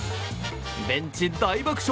ベンチ、大爆笑。